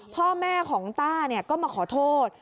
พ่อแม่ของต้าก็มาขอโทษ